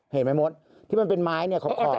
เห็นไหมมดที่มันเป็นไม้เนี่ยขอบ